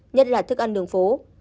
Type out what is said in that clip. nhất là thức ăn đường phố